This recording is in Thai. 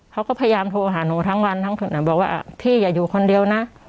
เขาก็พยายามโทรหาหนูทั้งวันทั้งบอกว่าพี่อย่าอยู่คนเดียวนะ